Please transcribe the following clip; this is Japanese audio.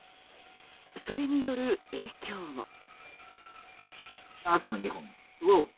それによる影響も。